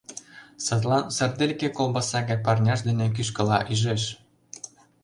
Садлан сардельке колбаса гай парняж дене кӱшкыла ӱжеш: